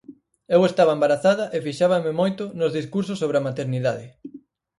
Eu estaba embarazada e fixábame moito nos discursos sobre a maternidade.